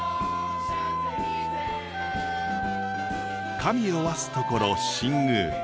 神おわすところ新宮。